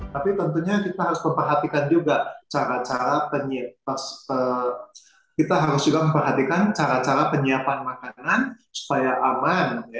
tapi tentunya kita harus memperhatikan juga cara cara penyiapan makanan supaya aman